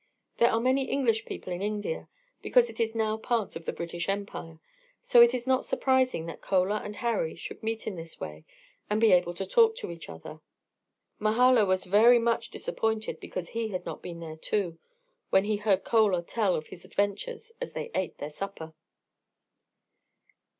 There are many English people in India, because it is now a part of the British Empire. So it is not surprising that Chola and Harry should meet in this way and be able to talk to each other. Mahala was very much disappointed because he had not been there, too, when he heard Chola tell of his adventures as they ate their supper.